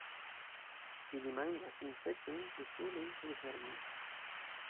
Ili manĝas insektojn, krustulojn kaj vermojn.